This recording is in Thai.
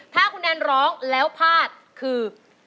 ถ้าคุณแนนร้องแล้วพลาดคือ